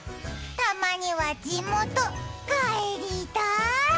たまには地元帰りたーい。